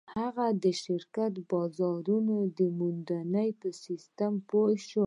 هغه د شرکت د بازار موندنې په سيسټم پوه شو.